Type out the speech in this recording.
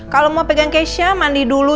kalo mau pegang keisha mandi dulu